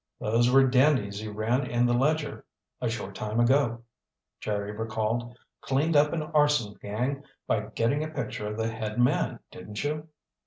"Those were dandies you ran in the Ledger a short time ago," Jerry recalled. "Cleaned up an arson gang by getting a picture of the head man, didn't you?"